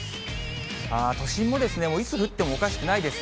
都心もですね、いつ降ってもおかしくないです。